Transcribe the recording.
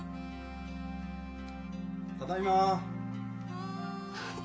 ・ただいま。